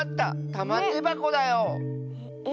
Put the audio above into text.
たまてばこだよ。え？